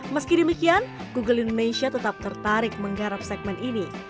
meski demikian google indonesia tetap tertarik menggarap segmen ini